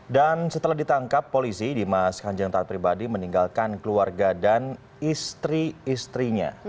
dan setelah ditangkap polisi di mas kanjeng tahan pribadi meninggalkan keluarga dan istri istrinya